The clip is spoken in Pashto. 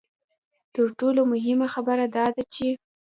تر ټولو مهمه خبره دا ده چې.